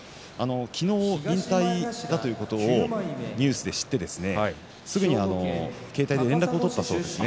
昨日、引退だということをニュースで知ってすぐに携帯で連絡を取ったそうです